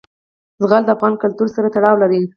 زغال د افغان کلتور سره تړاو لري.